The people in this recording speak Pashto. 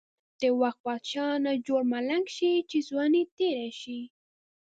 د وخت بادشاه نه جوړ ملنګ شی، چی ځوانی تیره شی.